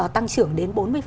tăng trưởng đến bốn mươi